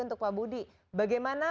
untuk pak budi bagaimana